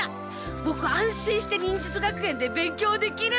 ボク安心して忍術学園で勉強できる！